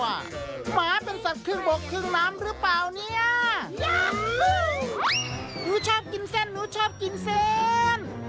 หมาเป็นสัตว์ครึ่งบกครึ่งน้ำหรือเปล่าเนี่ยหนูชอบกินเส้นหนูชอบกินเส้น